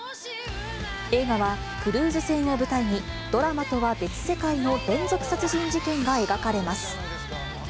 映画はクルーズ船を舞台に、ドラマとは別世界の連続殺人事件が描かれます。